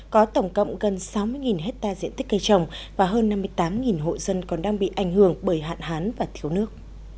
có tổng cộng gần sáu mươi hectare diện tích cây trồng và hơn năm mươi tám hộ dân còn đang bị ảnh hưởng bởi hạn hán và thiếu nước